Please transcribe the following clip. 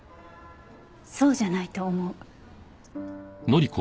そうじゃないと思う。